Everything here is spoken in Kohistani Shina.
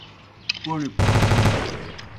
کوْݨیْ پُرَون